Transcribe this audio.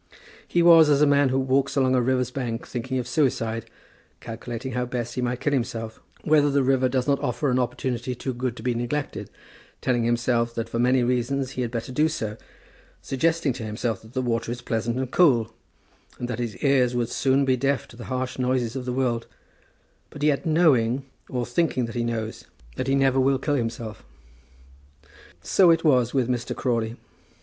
He was as a man who walks along a river's bank thinking of suicide, calculating how best he might kill himself, whether the river does not offer an opportunity too good to be neglected, telling himself that for many reasons he had better do so, suggesting to himself that the water is pleasant and cool, and that his ears would soon be deaf to the harsh noises of the world, but yet knowing, or thinking that he knows, that he never will kill himself. So it was with Mr. Crawley.